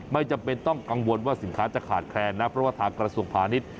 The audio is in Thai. ไม่จำเป็นต้องกังวลว่าสินค้าจะขาดแคลนนะเพราะว่าทางกระทรวงพาณิชย์